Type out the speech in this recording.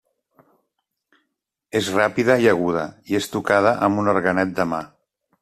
És ràpida i aguda, i és tocada amb un orguenet de mà.